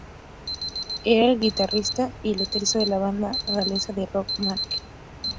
Era el guitarrista y letrista de la banda galesa de rock Manic Street Preachers.